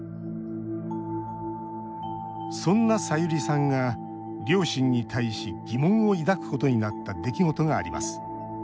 そんな、さゆりさんが両親に対し疑問を抱くことになった出来事があります。